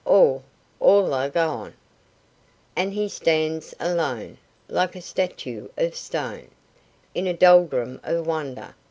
All, all are gone, And he stands alone, Like a statue of stone, In a doldrum of wonder.